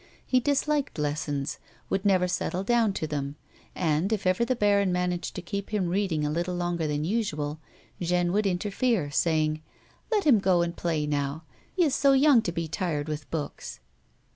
He disliked lessons, would never settle down to them, and, if ever the baron managed to keep him reading a little longer than usual, Jeanne would interfere, saying :" Let him go and play, now. He is so young to be tired with books."